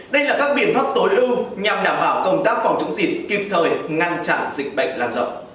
đây là các biện pháp tối ưu nhằm đảm bảo công tác phòng chống dịch kịp thời ngăn chặn dịch bệnh lan rộng